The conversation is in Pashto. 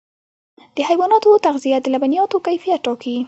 د حیواناتو تغذیه د لبنیاتو کیفیت ټاکي.